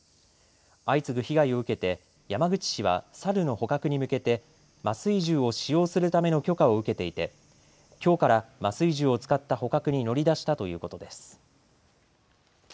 相次ぐ被害を受けて山口市はサルの捕獲に向けて麻酔銃を使用するための許可を受けていてきょうから麻酔銃を使った捕獲に乗り出したということです。